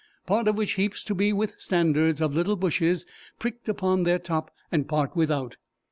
Part of which heapes, to be with standards, of little bushes, prickt upon their top, and part without.